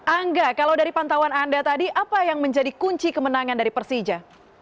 angga kalau dari pantauan anda tadi apa yang menjadi kunci kemenangan dari persija